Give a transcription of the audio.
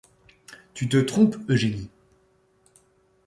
Tu te trompes, Eugénie.